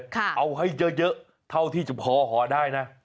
ค่ะเอาให้เยอะเท่าที่พออฮอล์ได้นะ